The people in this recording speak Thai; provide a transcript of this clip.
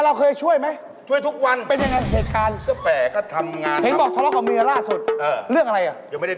แล้วไปเรียกอะไรพี่